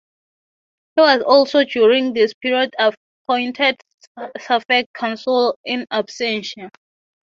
He was also during this period appointed suffect consul "in absentia".